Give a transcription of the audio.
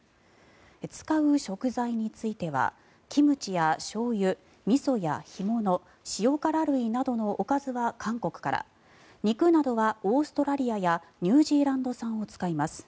使う食材についてはキムチやしょうゆみそや干物塩辛類などのおかずは韓国から肉などはオーストラリアやニュージーランド産を使います。